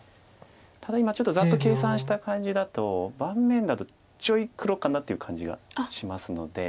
ただ今ざっと計算した感じだと盤面だとちょい黒かなという感じがしますので。